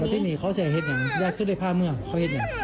บ่ันยาข้อใส่เห็นยังยาโล่งพาเมื่อเขาเมื่อ